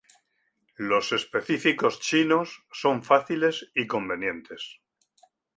Los específicos chinos son fáciles y convenientes.